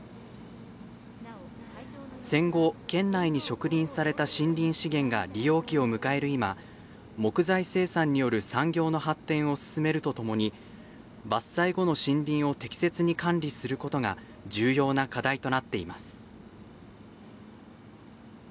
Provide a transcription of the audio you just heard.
戦後、県内に植林された森林資源が利用期を迎える今木材生産による産業の発展を進めるとともに伐採後の森林を適切に管理することが重要な課題となっています。